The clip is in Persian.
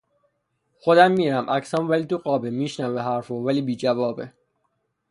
خودم میرم عکسام ولی تو قابه میشنوه حرفو ولی بی جوابه